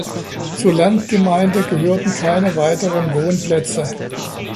Zur Landgemeinde gehörten keine weiteren Wohnplätze.